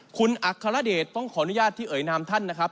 คุณอัครเดชต้องขออนุญาตที่เอ่ยนามท่านนะครับ